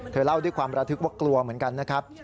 เล่าด้วยความระทึกว่ากลัวเหมือนกันนะครับ